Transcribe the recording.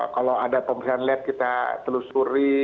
kalau ada pembelian led kita telusuri